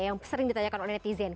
yang sering ditanyakan oleh netizen